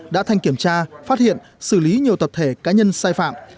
đã thanh kiểm tra phát hiện xử lý nhiều tập thể cá nhân sai phạm